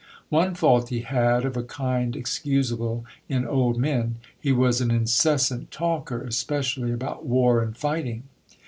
One fault he had, of a kind excusable in old men : he was an incessant talker, espe cially about war and fighting.